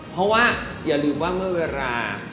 เพราะว่าอย่าลืมว่าเมื่อเวลา